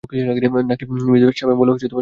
নাকি Miss Havisham বলে সম্মোধন করব?